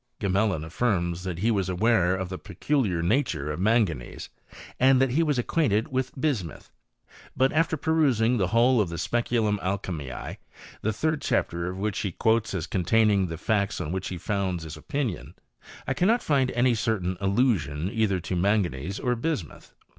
Gmelin affirms that he was aware of the peculiar nature of manganese, and that he was ac quainted with bismuth ; but after perusing the whole of the Speculum Alchymise, the third chapter of which he quotes as containing the facts on which he founds his opinion, I cannot find any certain allusion either to manganese or bismuth.